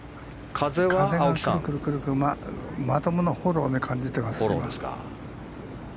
風がくるくるまともなフォローを感じてますよ。